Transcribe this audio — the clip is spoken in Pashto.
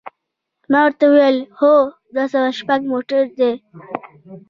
ما ورته وویل: هو، دوه سوه شپږ موټر دی.